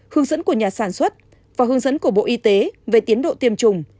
hướng dẫn của nhà sản xuất và hướng dẫn của bộ y tế về tiến độ tiêm chủng